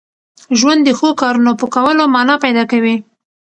ژوند د ښو کارونو په کولو مانا پیدا کوي.